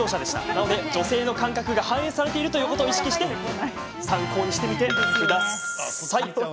なので女性の感覚が反映されているということを意識して解凍してみてください。